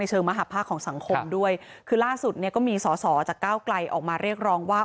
เชิงมหาภาคของสังคมด้วยคือล่าสุดเนี่ยก็มีสอสอจากก้าวไกลออกมาเรียกร้องว่า